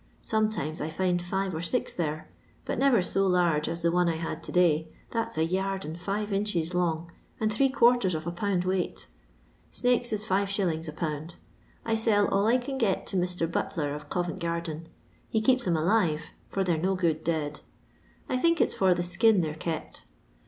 Sometimes, I find five or six there, but never so large as the one I had to day, that's a yard and five inches long, and three quarters of a pound weight Snakes is 5«. a pound. I sell all I can get to Mr. Butler, of Covent garden. He keeps 'em alive, for they 're no good dead. I think it's for the skin they're kept.